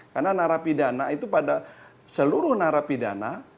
karena narapidana itu pada seluruh narapidana